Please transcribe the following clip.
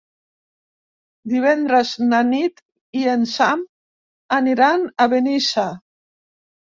Divendres na Nit i en Sam aniran a Benissa.